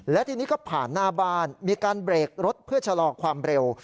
และทีนี้ก็ผ่านหน้าบ้านมีการเบรกรถเพื่อชะลอความเร็ว